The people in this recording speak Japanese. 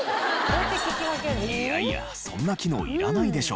いやいやそんな機能いらないでしょ。